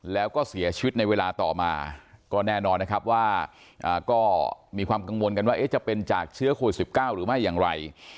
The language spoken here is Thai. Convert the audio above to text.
แล้วก็เสียชีวิตในเวลาต่อมาก็แน่นอนนะครับว่าก็มีความกังวลกันว่าจะเป็นจากเชื้อโควิด๑๙หรือไม่อย่างไร